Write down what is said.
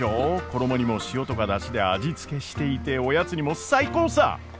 衣にも塩とか出汁で味付けしていておやつにも最高さ！